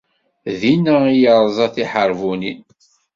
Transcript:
Dinna i yerẓa tiḥerbunin.